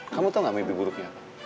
kamu tau nggak mimpi buruknya apa